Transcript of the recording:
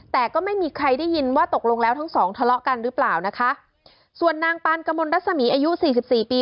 แต่ก็ไม่มีใครได้ยินว่าตกลงแล้วทั้งสองทะเลาะกันหรือเปล่านะคะส่วนนางปานกระมวลรัศมีอายุสี่สิบสี่ปี